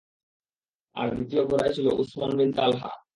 আর দ্বিতীয় ঘোড়ায় ছিল উসমান বিন তালহা।